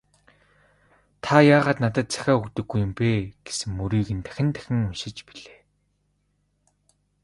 "Та яагаад надад захиа өгдөггүй юм бэ» гэсэн мөрийг нь дахин дахин уншиж билээ.